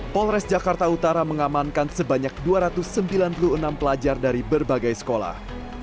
polres jakarta utara mengamankan sebanyak dua ratus sembilan puluh enam pelajar dari berbagai sekolah